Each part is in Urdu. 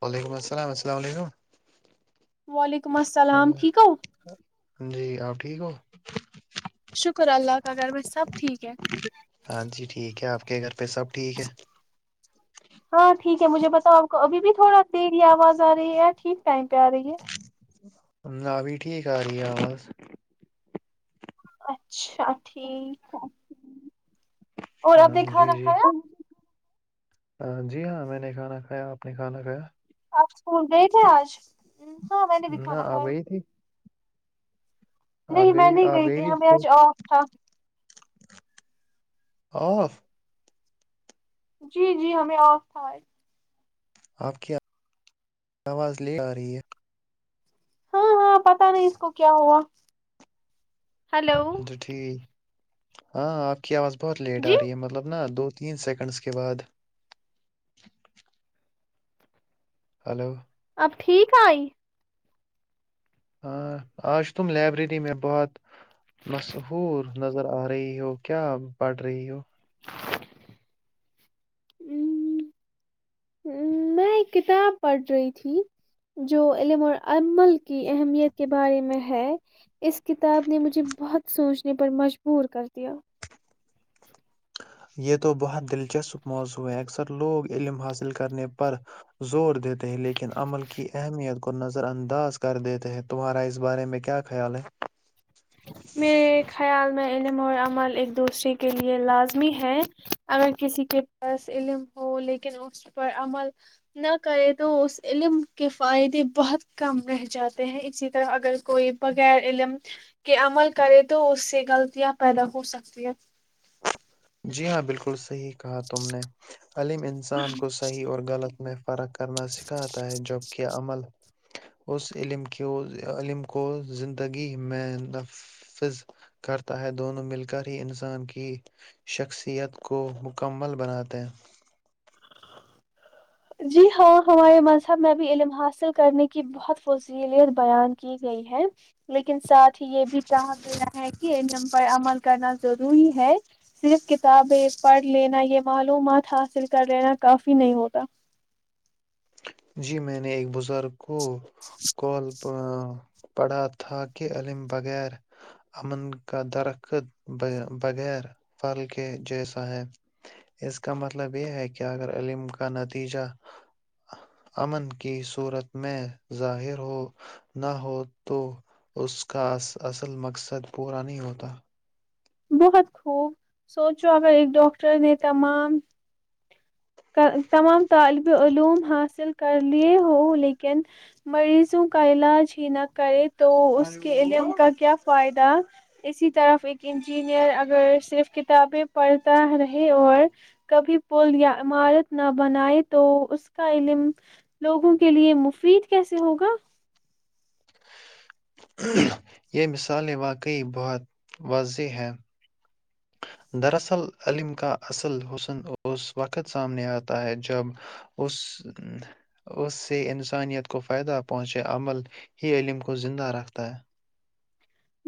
وعلیکم السلام السلام علیکم وعلیکم السلام ٹھیک ہو جی آپ ٹھیک ہو شکر اللہ کا گگر میں سب ٹھیک ہے ہاں جی ٹھیک ہے آپ کے گھر پھر سب ٹھیک ہے ہاں ٹھیک ہے مجھے بتاؤ آپ کو ابھی بھی تھوڑا دیر آواز آ رہی ہے یار ٹھیک ٹائم پی رہ ہے ہاں، ابھی ٹھیک آ رہییا بس اچھا ٹھیک اور آپ ہاں نے جی کھانا جی کھایا جی ہاں میں نے کھانا کھایا آپ نے کھانا کھایا آپ فون ڈیٹ ہے آج ہاں میں نے بھی نہ کھانا کھایا وہی تھی نہیں میں نہیں گئی تھی ہمیں آج آف تھا اورف جی جی ہمیں آف تھا آپ کی آواز لے آ رہی ہے ہاں ہاں پتا نہیں اس کو کیا ہوا ہلو اچ توا ٹھیک ہاں آپ کی آواز بہت لیٹ آ جی رہی ہے مطلب نا دو تین سیکنڈز کے بعد ہلو سب ٹھیک آئی ہاں آج تم لائبریری میں بہت مشہور نظر آ رہی ہو کیا پڑھ رہی ہو میں ایک کتاب پڑھ رہی تھی جو علم اور امل کی اہمیت کے بارے میں ہے اس کتاب نے مجھے بہت سوچنے پر مجبور کر دیا یہ تو بہت دلچسپ موضوع ہے اکثر لوگ علم حاصل کرنے پر زور دیتے ہیں لیکن عمل کی اہمیت کو نظر انداز کر دیتے ہیں تمہارا اس بارے میں کیا خیال ہے میرے خیال میں علم اور عمل ایک دوسرے کے لیے لازمی ہے اگر کسی کے پاس علم ہو لیکن اس پر عمل نہ کرے تو اس علم کے فائدے بہت کم رہ جاتے ہیں اسی طرح اگر کوئی بغیر علم کے عمل کرے تو اس سے غلطیاں پیدا ہو سکتی ہیں جی ہاں بالکل سر کہا تم نے علم انسان کو صحیح اور غلط مح فرق کرنا سکھاتا ہے جبکہ عمل اس علم کی علم کو زندگی میں نفذ کرتا ہے دونوں مل کر ہی انسان کی شخصیت کو مکمل بناتے ہیں جی ہاں ہمارے مذہب میں بھی علم حاصل کرنے کی بہت فضیلیت بیان کی گئی ہے لیکن ساتھ ہی یہ بھی چاہ دینا ہے کہ علم پر عمل کرنا ضروری ہے صرف کتابیں پڑھ لینا یہ معلومات حاصل کر لینا کافی نہیں ہوتا جی میں نے ایک بزرگ کو کال پڑھا تھا کہ علم بغیر امن کا درخت بغیر فل کے جیسا ہے اس کا مطلب یہ ہے کہ اگر علم کا نتیجہ امن کی صورت میں ظاہر ہو نہ ہو تو اس کا اصل مقصد پورا نہیں ہوتا بہت خوب سوچو اگر ایک ڈاکٹر نے تمام تمام طالب علوم حاصل کر لیے ہو لیکن مریضوں کا علاج ہی نہ کرے تو اس کے علم کا کیا فائدہ اسی طرف انجینئر اگر صرف کتابیں پڑھتا رہے اور کبھی پل یا عمارت نہ بنائے تو اس کا علم لوگوں کے لیے مفید کیسے ہوگا یہ مثالیں بہت واضح ہیں دراصل علم کا اصل حسن اس وقت سامنے اتا ہے جب اس اس سے انسانیت کو فائدہ پہنچے عمل یہ علم کو زندہ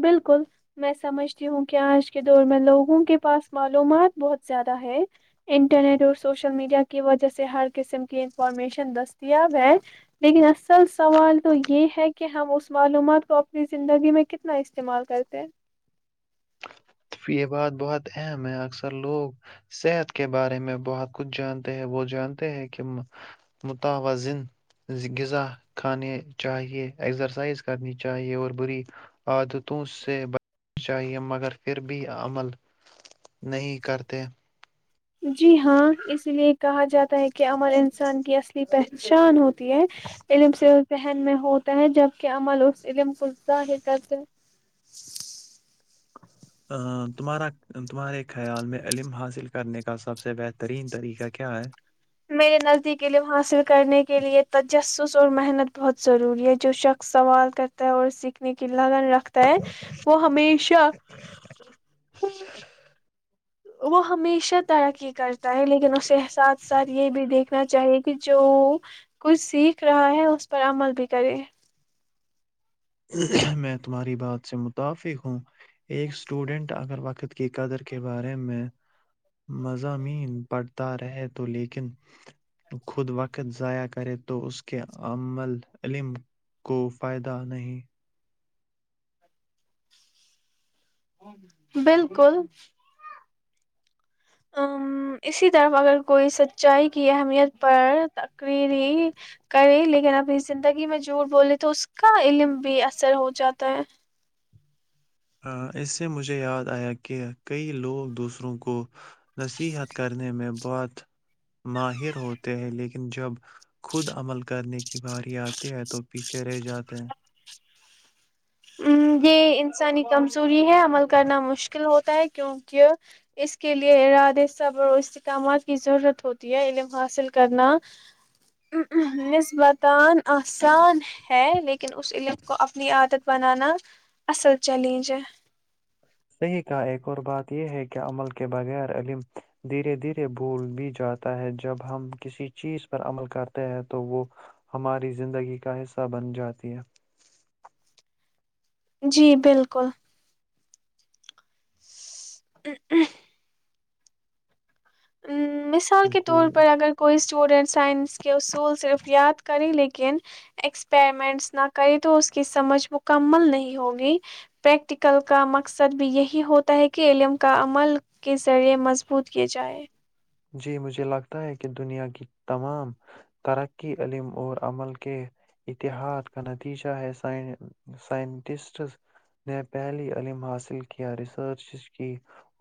بالکل میں سمجھتی ہوں کہ آج کے دور میں لوگوں کے پاس معلومات بہت زیادہ ہے انٹرنیٹ اور سوشل میڈیا کی وجہ سے ہر قسم کی انفارمیشن دستیاب ہے لیکن اصل سوال تو یہ ہے کہ کہ ہم اس معلومات کو اپنی زندگی میں کتنا استعمال کرتے یہ بات بہت اہم ہے اکثر لوگ صحت کے بارے میں بہت کچھ جانتے ہیں وہ جانتے ہیں کہ متوازن غذا کھانے چاہیے اکسرسائز کرنی چاہیے اور بری عادت تو اس سے چاہیے مگر پھر بھی عمل نہیں کرتے جی ہاں اس لیے کہا جاتا ہے کہ کہ امن انسان کی اصلی پہچ شان ہوتا ہے علم سے ذہن میں ہوتا ہے جبکہ عمل اس علم کزاہ کرتے ا تمہارا تمہارے خیال میں علم حاصل کر کرنے کا سب سے بہترین طریقہ کیا ہے میرے نزدیک علم حاصل کرنے کے لئے تجسس اور محنت بہت ضروری ہے جو شخص سوال کرتا ہے اور سیکھنے کے لیے لگن رکھتا ہے وہ ہمیشہ وہ ہمیشہ ترقی کرتا ہے لیکن اس احساس ساتھ یہ بھی دیکھنا چاہیے کہ جو کچھ سیکھ رہا ہے اس پر عمل بھی کرے میں تمہاری بات سے متفق ہوں ایک اسٹوڈینٹ اگر وقت کی قدر کے بارے میں مضامین پڑھتا رہے تو لیکن خود وقت ضائع کر کرے تو اس کے عمل علم کو فائدہ نہیں [inaudible] بالکل ا اسی طرف اگر کوئی سچائی کی اہمیت پر تقریری کرے لیکن ابنی زندگی میں جھوٹ بولے تو اس کا علم بھی اثر ہو جاتا ہے ہ اس سے مجھے یاد آیا کہ کئی لوگ دوسروں کو نصیحت کرنے میں بہت ماہر ہوتے ہیں لیکن جب خود عمل کرنے کی بھاری آتی ہے تو پیچھے رہ جاتے ہیں ہ یہ انسانی کمزور ی ہے عمل کرنا مشکل ہوتا ہے کیونکہ اس کے لیے ارادے صبر و استحکامات کی ضرورت ہوتی ہے علم حاصل کرنا نسبتاان آسان ہے لیکن اس علم کو اپنی عادت بنانا اصل چیلینج صحیح کا ایک اور بات یہ ہے کہ عمل کے بغیر علم دھیرے دھیرے بھول بھی جاتا ہے جب ہم کسی چیز پر عمل کرتے ہیں تو وہ ہماری زندگی کا حصہ بن جاتی ہے جی بالکل ا مثال کے طور جی پر اگر کوئی اسٹوڈنٹ سائنس کے اصول صرف یاد کرے لیکن ایکسپریمنٹس نہ کرے تو اس کی سمجھ مکمل نہیں ہوگی پریکٹیکل کا مقصد بھی یہی ہوتا ہے کہ علم کا عمل کے ذریعے مضبوط کیے جائے جی مجھے لگتا ہے کہ دنیا کی تمام ترقی علم اور عمل کے اتحاد کا نتیجہ ہے سائنٹسٹ نے پہلی علم حاصل کیا ریسرچ کی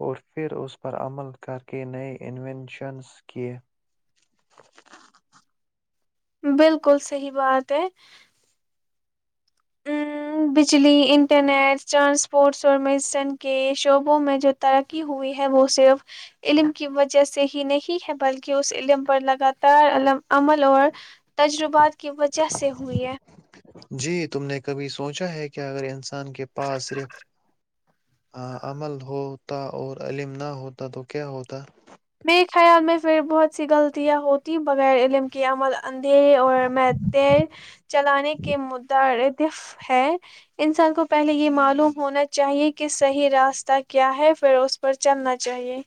اور پھر اس پر عمل کر کے نئے انوونشنز کی بالکل صحی بات ہے ا بجلی انٹرنیٹ ٹرانسپورٹس اور میڈیسن کے شعبوں میں جو ترقی ہوئی ہے وہ صرف علم کی وجہ سے ہی نہیں ہے بلکہ اس علم پر لگاتار ع عمل اور تجربات کی وجہ سے ہوئی ہے جی تم نے کبھی سوچا ہے کہ اگر ان سان کے پاس صرف ہاں عمل ہوتا اور علم نہ ہوتا تو کیا ہوتا میرے خیال میں پھر بہت سی غلطیاں ہوتی بغیر علم کی عمل اندھیرے اور مت چلانے کے مدا ف ہے انسان کو پہلے یہ معلوم ہونا چاہیے کہ صحیح راستہ کیا ہے پھر اس پر چلنا چاہیے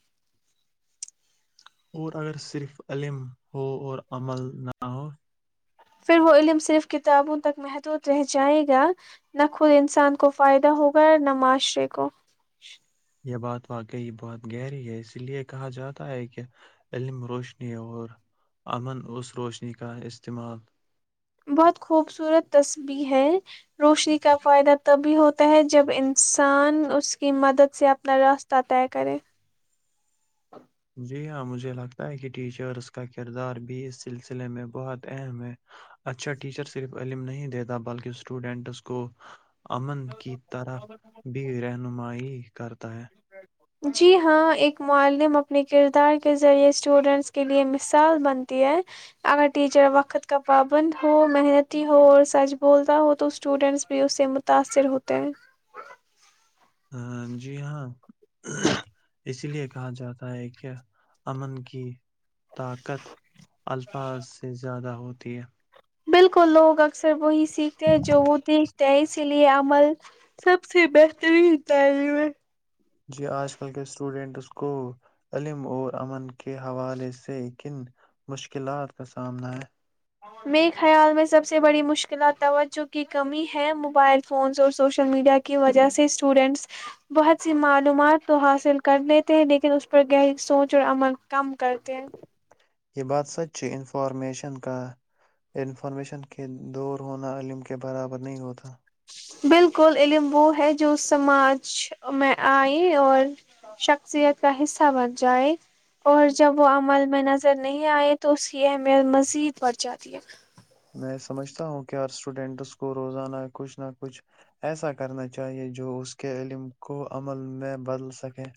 اور اگر صرف علم ہو اور عمل نہ ہو پھر وہ علم صرف کتابوں تک محدود رہ جائے گا نہ خود انسان کو فائدہ ہوگا نہ معاشرے کو یہ بات واقعی بہت گہری ہے اسی لیے کہا جاتا ہے کہ علم روشنی اور امن اس روشنی کا استعمال بہت خوبصورت تصبح ہے روشنی کا فائدہ تبھی ہوتا ہے جب انسان اس کی مدد سے اپنا راستہ طے کرے جی ہاں مجھے لگتا ہے کہ ٹیچرس کا کردار بھی اس سلسلے میں بہت اہم ہے اچھا ٹیچر صرف علم نہیں دیتا بلکہ اسٹوڈینٹس کو امن کی طرف بھی رہنمائی کرتا ہے جی ہاں ایک معم اپنے کردار کے ذریعے اسٹوڈینٹس کے لیے مثال بنتی ہے اگر ٹیچر وقت کا پابند ہو محنتی ہو اور سچ بولتا ہو تو اسٹوڈینٹس بھی اس سے متاثر ہوتے ہیں ہ جی ہاں اسی لیے کہا جاتا ہے کہ امن کی طاقت الفاظ سے زیادہ ہوتی ہے بالکل لوگ اکثر وہی سیکھتے ہیں جو وہ دیکھتے ہیں اسی لیے عمل سب سے بہترین تعلیم ہے جی آج کل کے اسٹوڈنٹس کو علم اور امن کے حوالے سے کن مشکلات کا سامنا ہے [inaudible] یہ بات سچ ہے انفارمیشن کا انفارمیشن کے دور ہونا علم کے برابر نہیں ہوتا بالکل علم وہ ہے جو سماج میں آئے اور شخصیت کا حصہ بن جائے اور جب وہ عمل میں نظر نہیں آئے تو اس ت م مز سےید برجاتییک [unintelligible] میں سمجھتا ہوں کہ ہ اسٹوڈینٹس کو روزانہ کچھ نہ کچھ ایسا کرنا چاہیے جو اس کے علم کو عمل میں بدل سکے [unintelligible]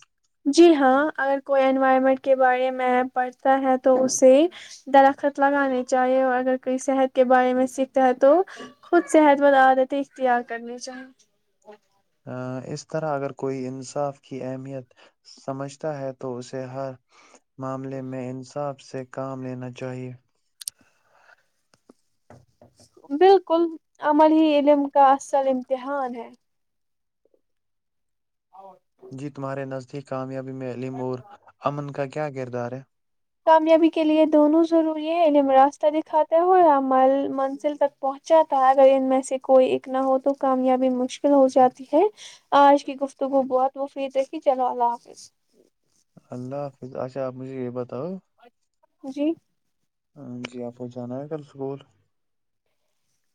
جی ہاں اگر کوئی انوائرمنٹ کے بارے میں پڑھتا ہے تو اسے درخت لگانے چاہیے اور اگر کوئی صحت کے بارے میں سیکھتا ہے تو خود صحت وند عادتیں اختیار کرنی چاہیے اس طرح اگر کوئی انصاف کی اہمیت سمجھتا ہے تو اسے ہر معاملے میں انصاف سے کام لینا چاہیئے بالکل امن ہی علم کا اصل امتحان ہے [unintelligible] [unintelligible] اور جی تمہے نزدیک کامیاب میں علیمور امن کا کیا کردار [unintelligible] [inaudible] کامیابی کے لیے دونوں ضروری ہے علم راستہ دکھاتا ہو یا مل منزل تک پہنچاتا ہے اگر ان میں سے کوئی ا نہ ہو تو کامیابی مشکل ہو جاتی ہے آج کی گفتگو بہت مفید ر کہھی چلو اللہ حافظ اللہ حافظ اچھا آپ مجھے یہ بات جی [unintelligible] ہاں جی آپ کو جانا ہے کل سکول [unintelligible]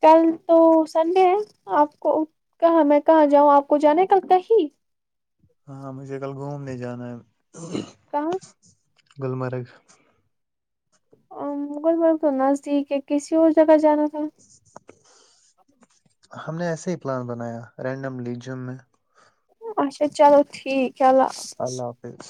کل تو سنڈے ہے آپ کو کہاں میں کہاں جاؤں آپ کو جانا ہے کل ت ہی ہاں مجھے کل گھومنے جانا ہے کہ [unintelligible] گللمرگ [unintelligible] مغل برگ تو نزدیک ہے کسی اور جگہ جانا [unintelligible] ہ [unintelligible] ہم نے ایسے ہی پلان بنایا رینڈم لی جم میں اچھا چلو ٹھیک [unintelligible] اللہ حافظ